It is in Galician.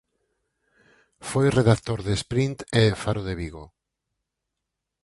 Foi redactor de "Sprint" e "Faro de Vigo".